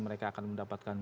mereka akan mendapatkan